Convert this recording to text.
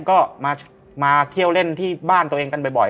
ก็มาเที่ยวเล่นที่บ้านตัวเองกันบ่อย